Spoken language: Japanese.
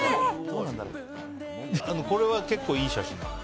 これは結構いい写真なの？